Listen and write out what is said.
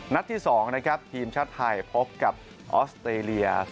ที่๒นะครับทีมชาติไทยพบกับออสเตรเลีย